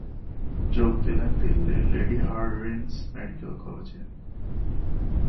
যোগ দিলেন দিল্লির লেডি হার্ডিঞ্জ মেডিক্যাল কলেজে।